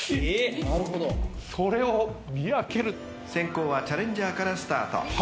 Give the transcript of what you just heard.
［先攻はチャレンジャーからスタート］